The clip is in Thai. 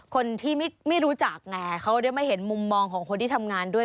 คนที่ไม่รู้จักไงเขาได้มาเห็นมุมมองของคนที่ทำงานด้วย